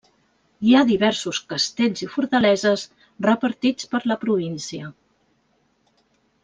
Hi ha diversos castells i fortaleses repartits per la província.